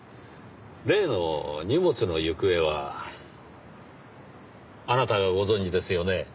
例の荷物の行方はあなたがご存じですよね？